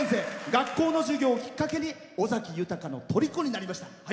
学校の授業をきっかけに尾崎豊の、とりこになりました。